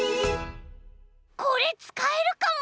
これつかえるかも！